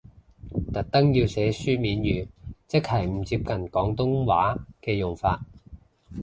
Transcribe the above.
特登要寫書面語，即係唔接近廣東話嘅用法？